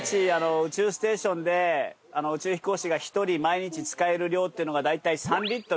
宇宙ステーションで宇宙飛行士が１人毎日使える量ってのが大体３リットル